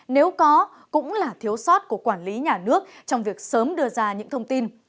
nếu có cũng là thiếu sót của quản lý nhà nước trong việc sớm đưa ra những thông tin